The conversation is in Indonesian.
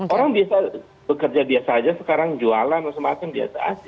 orang biasa bekerja biasa saja sekarang jualan dan semacam biasa saja